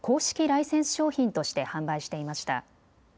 ライセンス商品として販売していました。